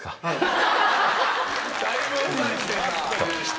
はい。